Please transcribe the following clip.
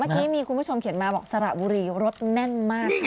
เมื่อกี้มีคุณผู้ชมเขียนมาบอกสระบุรีรถแน่นมาก